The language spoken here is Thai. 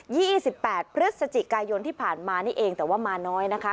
ี่สิบแปดพฤศจิกายนที่ผ่านมานี่เองแต่ว่ามาน้อยนะคะ